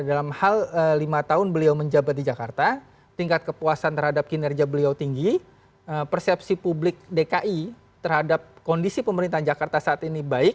dalam hal lima tahun beliau menjabat di jakarta tingkat kepuasan terhadap kinerja beliau tinggi persepsi publik dki terhadap kondisi pemerintahan jakarta saat ini baik